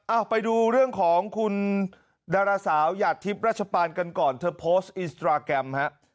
เอาไปดูเรื่องของคุณดาราสาวหยาดทิพย์ราชปานกันก่อนเธอโพสต์อินสตราแกรมฮะ